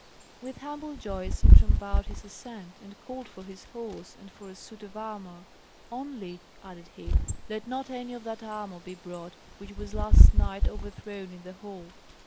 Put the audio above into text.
With humble joy Sintram bowed his assent, and called for his horse and for a suit of armour. "Only," added he, "let not any of that armour be brought which was last night overthrown in the hall!"